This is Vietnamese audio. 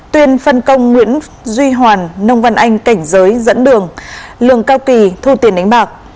tuyên phân công nguyễn duy hoàn nông văn anh cảnh giới dẫn đường lường cao kỳ thu tiền đánh bạc